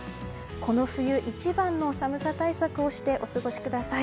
この冬一番の寒さ対策をしてお過ごしください。